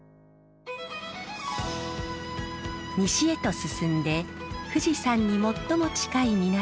西へと進んで富士山に最も近い港